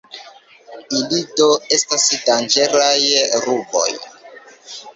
Ili do estas danĝeraj ruboj.